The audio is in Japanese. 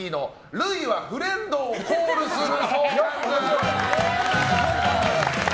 類はフレンドをコールする。